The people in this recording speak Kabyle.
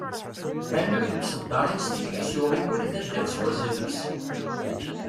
Alluy n tseddaṛin s tikli s uɣiwel, d addal s wazal-is.